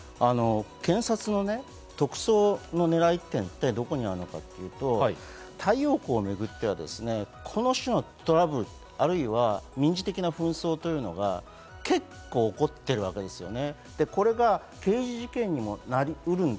検察のね、特捜の狙いってどこにあるのかというと、太陽光をめぐっては、この種のトラブル、あるいは民事的な紛争が結構怒っているわけですよね。